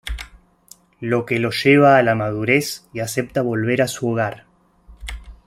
Lo que lo lleva a la madurez y acepta volver a su hogar.